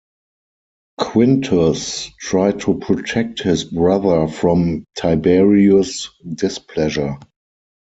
Quintus tried to protect his brother from Tiberius' displeasure.